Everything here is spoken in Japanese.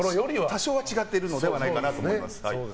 多少は違っているのではないかなと思います。